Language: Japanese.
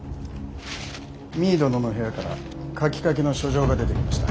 実衣殿の部屋から書きかけの書状が出てきました。